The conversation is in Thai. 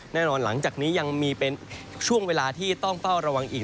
หลังจากนี้ยังมีเป็นช่วงเวลาที่ต้องเฝ้าระวังอีก